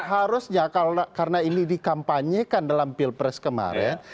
harusnya karena ini dikampanyekan dalam pilpres kemarin